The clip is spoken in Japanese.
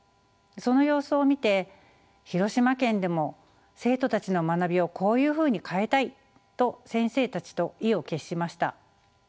その様子を見て「広島県でも生徒たちの学びをこういうふうに変えたい！」と先生たちと意を決しました。